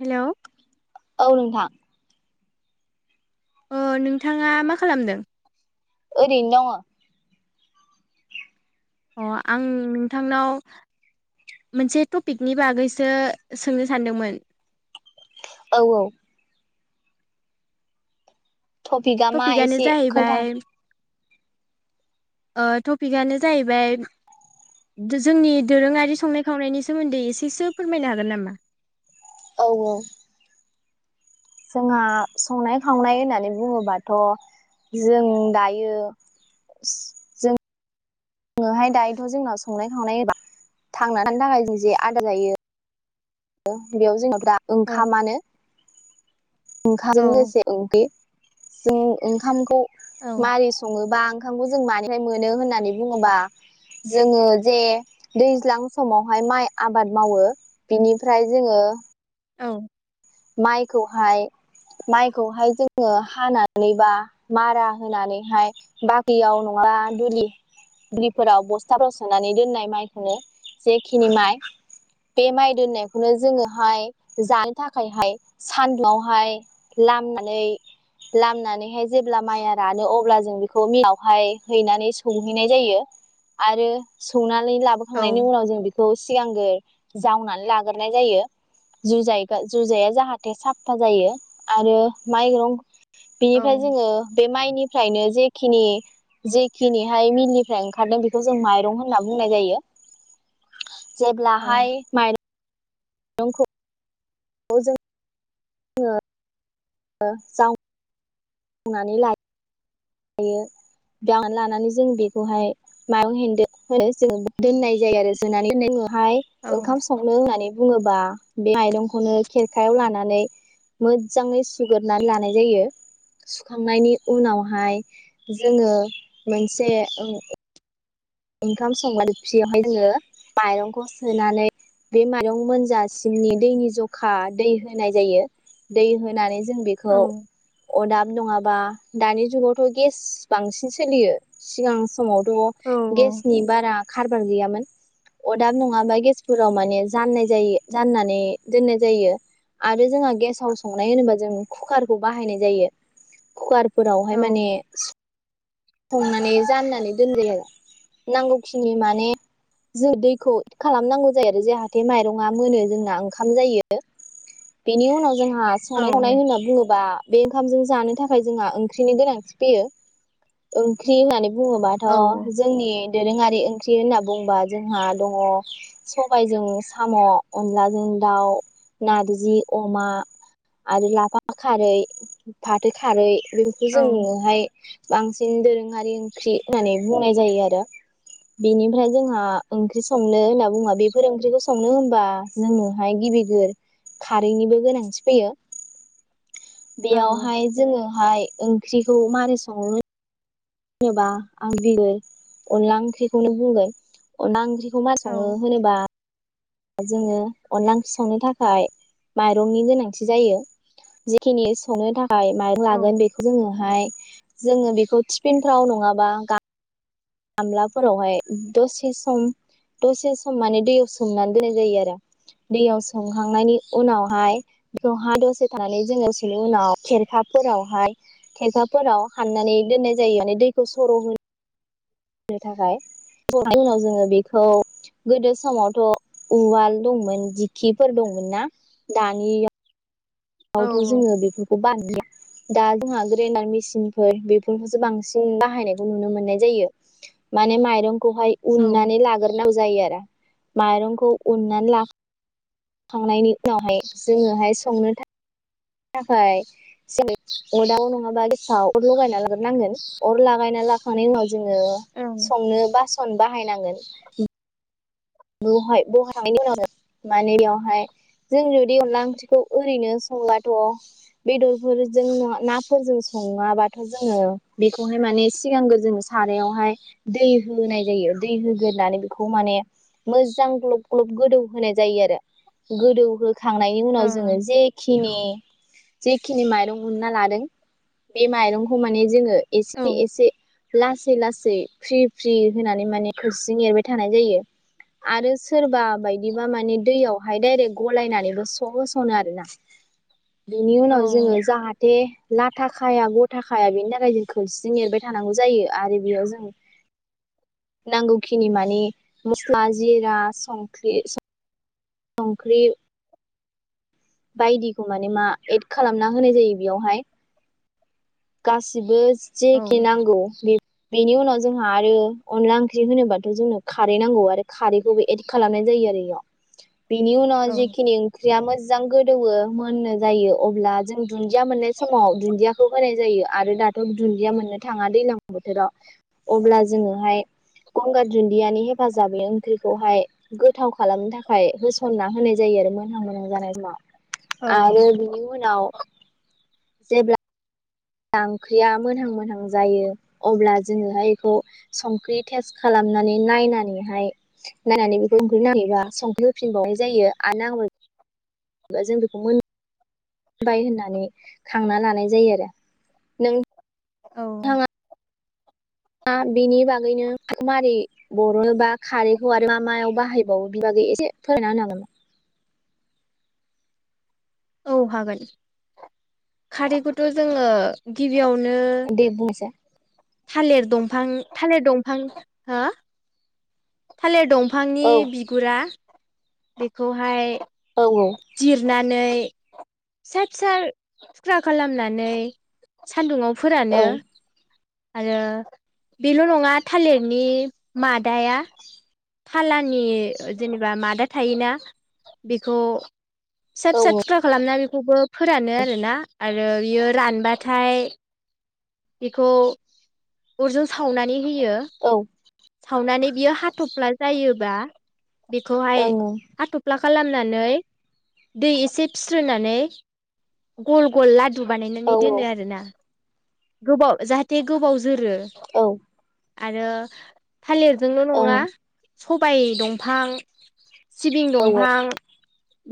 Hello औ नोंथां अ नोंथांङा मा खालामदों ओरैनो दङ अ आं नोंथांनाव मोनसे टपिकनि बागैसो सोंनो सानदोंमोन । औ औ टफिकआ मा टपिकआनो एसे खोनथा जाहैबाय ओ टपिकआनो जाहैबाय जोंनि दोरोंङारि संनाय खावनायनि सोमोन्दै एसेसो फोरमायनो हागोन नामा? औ औ जोंहा संनाय खावनाय होननानै बुङोबाथ' जों दायो जों जोङोहाय दायोथ' जोंनााव संनाय खावनाय एबा थांना थानो थाखाय जों जे आदार जायो बेयाव जोङो दा औ ओंखामानो [unintelligible] औ जों ओंखामखौ औ मारै सङोबा आं खामखौ जों मानिफ्राय मोनो होननानै बुङोबा जोङो जे दैज्लां समावहाय माइ आबाद मावो बिनि- फ्राय जोङो औ माइखौहाय माइखौहाय जोङो हानानै बा मारा होनानैहाय बारियाव नङा दुलि दुलिफोराव बस्थाफोराव सोनानै दोननाय माइखौनो जेखिनि माइ बे माइ दोननायखौनो जोङोहाय जानो था- खायहाय सान्दुंआवहाय लामनानै लामनानैहाय जेब्ला माइआ रानो अब्ला जों बेखौ मिलावहाय हैनानै संहैनाय जायो आरो सौना- नै औ लाबोखांनायनि उनाव जों बि- खौ सिगांग्रो जावनानै लाग्रोनाय जायो जुजाय जुजाया जाहाथे साफा जायो आरो माइरं औ बिनिफ्राय जोङो बे माइनिफ्रायनो जेखिनि जेखिनिहाय मिलनिफ्राय ओंखारदों बेखौ जों माइरं होनना बुंनाय जायो। औ जेब्लाहाय माइ- रंखौ औ जों ओ जाउ बुंनानै ला- यो बे लानानै जों बेखौहाय मायाव हेन्दो जोङ दोननाय जायो आरो जोनानै दनायुङ हाय औ ओंखाम संनो होननानै बुङोबा बे माइरंखौनो खेरखायाव लानानै मोजाङै सुग्रनानै लानाय जायो सुखांनायनि उनावहाय जोङो मोनसे ओ ओंखाम संग्रा दोबसियावहाय जोङो माइरंखौ सोनानै बे माइरं मोनजासिमनि दैनि जखा दै होनाय जायो दै होनानै जों औ बेखौ अदाब नङा- बा दानि जुगावथ' गेस बांसिन सोलियो सिगां समावथ औ गेसनि बारा खारबार गैयामोन अदाब नङाबा गेसफोराव माने जाननाय जायो जाननानै दोननाय जायो आरो जोंहा गेसाव संनाय होनोबा जों कुकारखौ बाहायनाय जायो कुकार औ फोरावहाय माने संनानै जाननानै दोनजायो आरो नांगौखिनि माने जों दैखौ थिग खालामनांगौ जायो आरो जाहाथे माइरङा मोनो जोंना ओंखाम जायो बेनि उनाव जोंहा संनाय खावनाय होनना बुङोबा बे ओंखामजों जानो थाखाय जोंहा ओंख्रिनि गोनांथि फैयो ओंख्रि होननानै बुङोबाथ' औ जोंनि दोरोङारि ओंख्रि होनना बुंबा जोंहा दङ सबायजो साम' अनलाजों दाउ ना दो जि अमा आरो लाफा खारै फाथो खारै बेखौ जों औ न'आवहाय बांसिन दोरों ओंख्रि होननानै बुंनाय जायो आरो बेनिफ्राय जोंहा ओंख्रि संनो होनना बुङा बेफोर ओंख्रिखौ संनो होनबा जोंनोहाय गिबिगिर खारैनिबो गोनांथि फैयो औ बेयावहाय जोङो ओमाय ओंख्रिखौ माबारै सङो होनोबा आं बिगोर अनला ओंख्रिखौनो बुंगोन अनला ओंख्रिखौ मा सङो होनोबा जोङो अनला ओंखीसंनो थाखाय माइरंनि गोनांथि जायो जिखिनि संनो थाखाय माइरं लागोन औ बेखौ जोङोहाय जोङो बेखौ थिफिनफ्राव नङाबा गामलाफोरावहाय दसे सम दसे सम माने दैयाव सोमनानै दोननाय जायो आरो दैयाव सोमखांनायनि उनावहाय जहा दसे थानानै जोंङावसेनि उनाव खेरखाफोरावहाय थेंखाफोराव हाननानै दोननाय जायो माने दैखौ सर' होनो थाखाय उनाव जोङो बेखौ गोदो समावथ' उवाल दंमोन दिखिफोर दंमोन ना दानि दावथ' औ जोङो बेफोरखौ बान्लिया दा जोंहा ग्रेडार मेसिनफोर बेफोरखौसो बांसिन बाहायनायखौ नुनो मोननाय जायो माने माइरं खौहाय औ ओं उननानै लाग्रोनांगौ जायो आरो माइरंखौ उननानै ला थांनायनि उनावहाय जोङोहाय संनो था। थाखाय अरदाव नङाबा गेसाव अर लगायना लाग्रोनांगोन अर लागायना लाखांनायनि उनाव जोङो ओं संनो बासन बाहायनांगोन बेहाय बहााखांनायनि उनाव माने बेयावहाय जों जुदि अनला ओंख्रिखौ ओरैनो संबाथ' बेदरफोरजों नाफोरजों सङाबाथ' जोङो बेखौहाय माने सिगांग्रो जों सारायावहाय दै होनाय जायो दै होग्रोनानै बेखौ माने मोजां ग्लब ग्लब गोदौ होनाय जायो आरो गोदौ हो खांनायनि उनाव जोङो औ जेखिनि जेखिनि माइरं उनना लादों बे माइरंखौ माने जोङो एसे एसे लास लासै लासै फ्रि फ्रि होनानै माने कची एरबाय थानाय जायो आरो सोरबा बायदिबा माने दैयावहाय डायरेक्ट गलायनानैबो स होस'नो आर ना बेनि उनाव जोङो जाहाथे लाथाखाया गथा खाया बेनि थाखाय जों खोरसि एरबाय थानांगौ जायो आरो बेयाव जों नांगौखिनि मानिे मस्ला जिरा संख्रि संख्रि बायदिखौ माने मा एड खालामना होनाय जायो बेयावहाय गासिबो औ जेखि नांगौ बे बेनि उनाव जोंहा आरो अनला ओंख्रि होनोबाथ' जोंनो खारै नांगौ आरो खारैखौबो एद खालामनाय जायो आरो इआव। बिनि उनाव औ जेखिनि ओंख्रिया मोज मोजां गोदौवो मोननो जायो अब्ला जों दुन्दिया मोननाय समाव दुन्दियाखौ होनाय जायो आरो दाथ दुन्दिया मोननो थाङा दैलां बोथोराव अब्ला जोङोहाय गंगार दुन्दियानि हेफाजाबै ओंख्रिखौहाय गोथाव खालामनो थाखाय होसनना होनाय जायो आरो मोनहां मोनहां जानाय समाव औ आरो बिनि उनाव जेब्ला ब्ला ओंख्रिया मोनहां मोनहां जायो अब्ला जोङोहाय इखौ संख्रि टेस्ट खालामनानै नायनानैहाय नायनानै बेखौ संख्रि नाङाखैबा संख्रि होफिनबावनाय जायो आरो नांबाय दा जों बेखौ मोन बाय होननानै खांना लानाय जायो आरो नों औ थाङा दा बिनि बागैनो मारै बरनो बा खारैखौ आरो मा मायाव बाहायबावो बेनि बागै एसे फोरमायना होनो हागोन नामा? औ हागोन खारैखौथ‌ जोङो गिबियाव नो नामा दे बुंनायसाय थालिर दंफां थालिर दंफां हो? थालिर दंफ फांनि औ बिगुरा बेखौहाय औ जिरनानै फिसा फिसा थुख्रा खालामनानै सान्दुंङाव औ फोरानो आरो बेल नङा थालिरनि मादाया फालानि जेनेबा मादा थायोना बेखौ फिसा औ फिसा थुख्रा खालामनानै [unintelligible] फोरानो आरोना आरो बियो रानबाथाय इखौ अरजों सावनानै होयो। औ ओं नानै बियो हाथफ्ला जायोबा बेखौहाय ओं हाथफ्ला खा खालामनानै दै एसे फिस्रोनानै गल गल लाद दु औ बानायनानै दोनो आरोना। गोबाव जाहाथे गोबाव जोरो आरो थालिरजोंल‌' नङा ओं सबाइ दंफां सिबिं औ ओं औ दंफां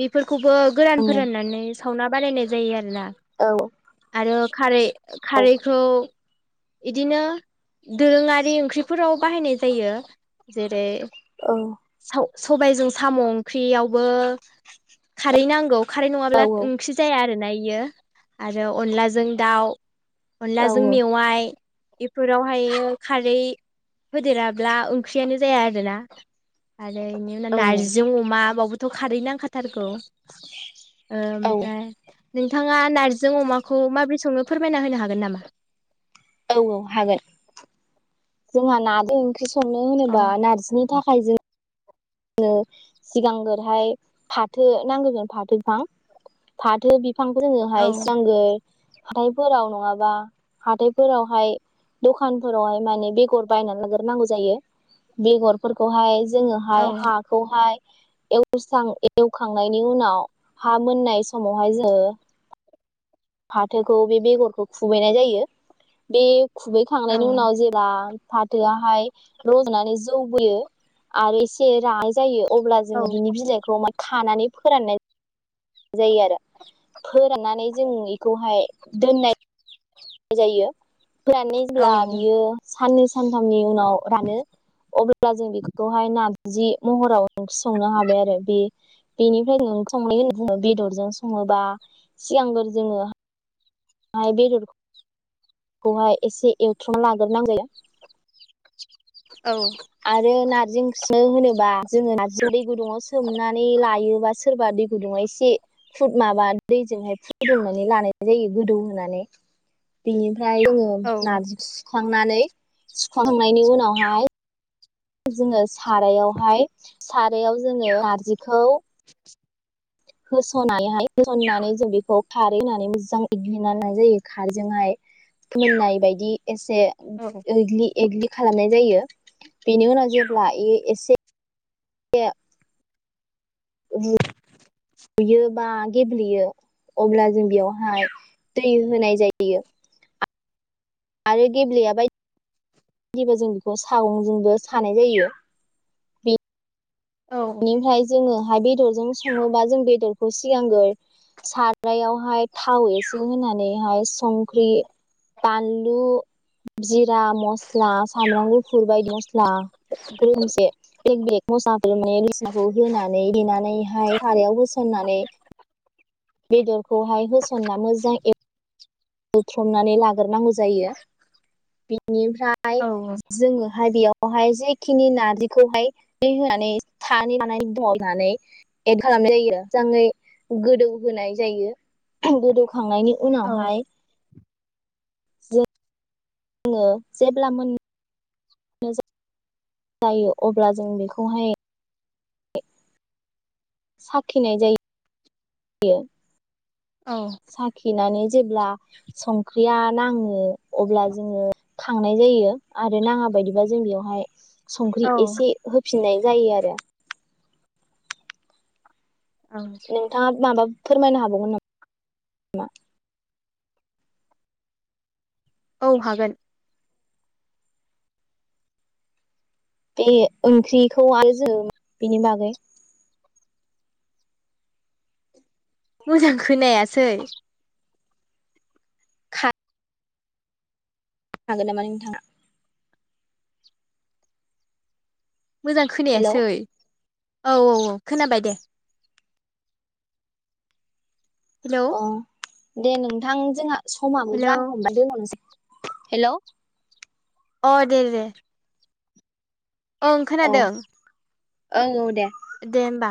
बेफोरखौबो गोरान फोराननानै सावना बानायायनाय जायो आरोना। औ आरो खारै खारैखौ इदिनो दोरोङारि ओंख्रिफोराव बाहायनाय जायो जेरै औ साव सबायजों साम' ओंख्रि बेयावबो खारै नांगौ खारै नङाब्ला ओंख्रि जाया आरो नाय बियो आरो अनलाजों दाउ । अनलाजों मेवाइ। बेफोरावहायो खारै होदेराब्ला ओंख्रियानो जाया आरोना। आरो इनि उनाव औ नार्जि जों अमा बाव बोथ' खारैनांखा थारखौ ओ ओमफ्राय नोंथाङा नार्जिजों अमाखौ माबोरै सङो फोर फोरमायना होनो हागोन नामा? औ औ हागोन। जोंहा नादों ख्रि संनो अ होनोबा नार्जिनि थाखा खाय जों नो सिगांगोरहाय फाथो नांगोगोन फाथो बिफां फाथो बि फांखौ औ जोङोहाय सि सांगो हाथायफोराव नङाबा हाथायफोरावहाय दखानफोरावहाय माने बेगर बायनानै लाग्रोनांगौ जायो बेगरफोरखौहाय जोङोहाय औ हाखौहाय एवस्रां एवखांनायनि उनाव हा मोननाय समावहाय जोङो फाथोखौ बे बेगरखौ खुबैनाय जायो बे औ खुबैखांनायनि उनाव जेला फाथोआहाय रज'नानै जौबोयो आरो एसे रानाय जायो अब्ला औ जोङो बिनि बिलाइखौ म खानानै फोराननाय जायो आरो फोराननानै जों बेखौहाय दोननाय नाय जायो फोराननानै जेब्ला औ बियो साननैसो सानथामनि उनाव रानो अब्ला अब्ला जों बेखौहाय नार्जि महराव ओंख्रि संनो हाबाय आरो बे बेनिफ्राय ओंख्रि संनायनि बेदरजों सङोबा सिगांफोर जोङो म बे [unintelligible] खौहाय एसे एवथ्रमना लाग्रोनांगो औ आरो नारजि सुनो होनोबा जोङो न दै गुदुङाव सोमनानै लायोबा सोरबा दै गुदुङाव एसे फुद माबा दैजोंहाय फुदुंनानै लानाय जायो गोदौ होनानै बेनि औ नजि [unintelligible] सुखांनानै सुखांनायनि उनावहाय जोङो सारायावहाय सारायाव जोङो नारजिखौ होस'नायहाय होसनन्नानै जों बेखौ खारै होननानै मोजां एग्लिना होनाय जायो खारैजोंहाय मोननाय बायदि एसे औ एग्लि एग्लि खालामनाय जायो बेनि उनाव जेब्ला ए एसे सेे [unintelligible] औ [unintelligible] गुयो बा गेब्लेयो अब्ला जों बेयावहाय दै होनाय जायो आरो गेब्लेया बायदि बिदिबा जों बेखौ सागंजोंबो सानाय जायो बेनिफ्राय जोङो बेदरजों सङोबा बेदरखौ सिगांगोर सारायावहाय थाव एसे होनानै हाय संख्रि बानलु जिरा जा मस्ला सामब्राम गुफुर बायदि मस्ला मोनसे बेक बेेग [unintelligible] म साफ म [unintelligible] खौ होनानै देनानैहाय खारायाव होसननानै [unintelligible] बेदरखौहाय होसन्ना मोजां ए ौथ्रमनानै लाग्रोनांगौ जायो [unintelligible] बेनिफ्राय औ जोङोहाय बेयाव बेहाय जेखिनि नारजिखौहाय दै होनानै सानै होनानै एद खालामनाय जायोाङै गोदौ होनाय जायो गो [unintelligible] खांनायनि औ उनावहाय जे जोङो जेब्ला मोन माज [unintelligible] जायो अब्ला जों बेखौहाय साखिनाय जायो औ साखिनानै जेब्ला संख्रिआ नाङो। अब्ला जोङो खांनाय जायो आरो नाङा बायदिबा जों बेयावहाय संख्रि एसे हो फिननाय जायो आरो। नोंथाङा माबा फोरमायनो हाबावगोन नाम-मा? औ हागोन। बे ओंख्रिखौ आरो जों बेनि बागै मोजां खोनायासै। खानो हागोन नामा नोंथाङा? मोजां हेलौ खोनायासै। औ औ औ खोनाबाय दे। हेलौ। अ दे नोंथां जोंहा समाबो हेलौ जानो हमबाय दोनथ'नोसै। हेलौ। अ दे दे। ओं औ खोनादों। औ दे। दे होमबा।